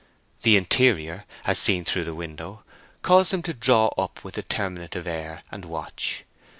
The interior, as seen through the window, caused him to draw up with a terminative air and watch.